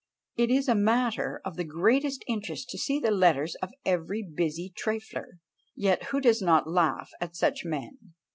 It is a matter of the greatest interest to see the letters of every busy trifler. Yet who does not laugh at such men?"